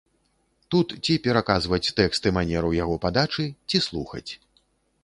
Тут ці пераказваць тэкст і манеру яго падачы, ці слухаць.